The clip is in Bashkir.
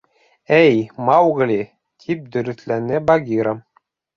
— Эйе, Маугли, — тип дөрөҫләне Багира.